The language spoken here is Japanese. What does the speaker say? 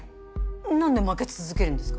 何で負け続けるんですか？